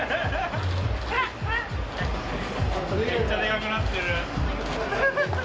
めっちゃでかくなってる。